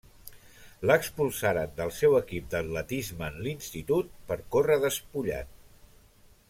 L'expulsaren del seu equip d'atletisme en l'Institut per córrer despullat.